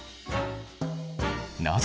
なぜ？